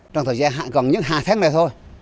trong thời gian gần nhất hai tháng này thôi